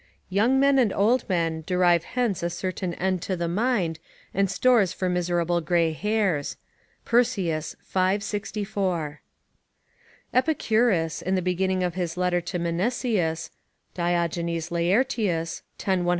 ["Young men and old men, derive hence a certain end to the mind, and stores for miserable grey hairs." Persius, v. 64.] Epicurus, in the beginning of his letter to Meniceus, [Diogenes Laertius, x. 122.